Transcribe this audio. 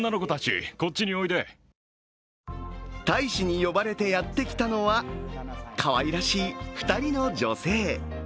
大使に呼ばれてやってきたのはかわいらしい２人の女性。